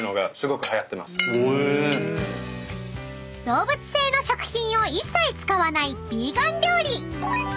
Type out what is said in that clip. ［動物性の食品を一切使わないヴィーガン料理］